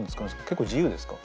結構自由ですか？